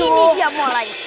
ini dia mulai